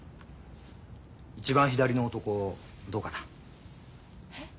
一番左の男どうかな？へ？